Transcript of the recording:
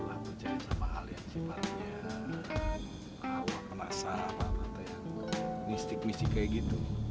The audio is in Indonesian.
kalian simpan ya awal penasaran apaan itu ya mistik mistik kaya gitu